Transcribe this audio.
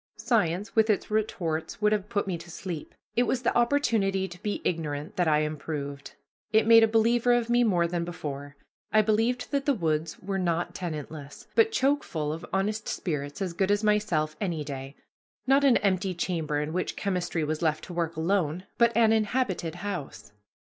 Science with its retorts would have put me to sleep; it was the opportunity to be ignorant that I improved. It made a believer of me more than before. I believed that the woods were not tenantless, but choke full of honest spirits as good as myself any day not an empty chamber in which chemistry was left to work alone, but an inhabited house.